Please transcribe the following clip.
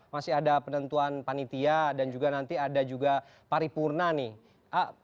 masih ada penentuan panitia dan juga nanti ada juga paripurna nih